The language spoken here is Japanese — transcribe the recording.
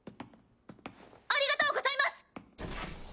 ありがとうございます！